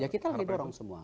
ya kita lagi dorong semua